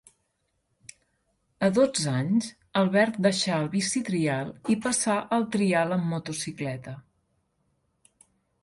A dotze anys, Albert deixà el bicitrial i passà al trial en motocicleta.